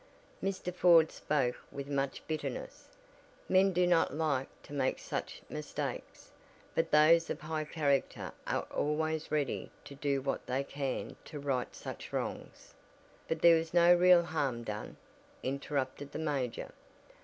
Mr. Ford spoke with much bitterness. Men do not like to make such mistakes, but those of high character are always ready to do what they can to right such wrongs. "But there was no real harm done?" interrupted the major.